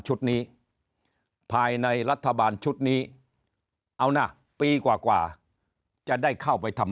ชุดนี้ภายในรัฐบาลชุดนี้เอานะปีกว่าจะได้เข้าไปทำ